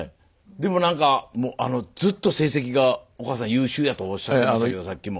でも何かずっと成績がお母さん優秀やとおっしゃってましたけどさっきも。